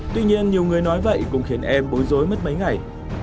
tuy nhiên nhiều người nói vậy cũng khiến em bối rối mất mấy ngày